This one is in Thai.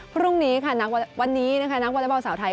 พรุ่งนี้ค่ะวันนี้นะคะนักวอเล็กบอลสาวไทย